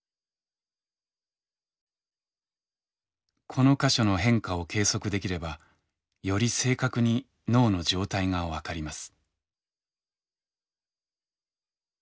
この箇所の変化を計測できればより正確に脳の状態が分かります。